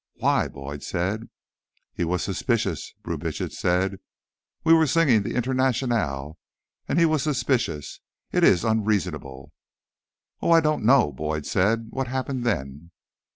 "Why?" Boyd said. "He was suspicious," Brubitsch said. "We were singing the Internationale, and he was suspicious. It is unreasonable." "Oh, I don't know," Boyd said. "What happened then?"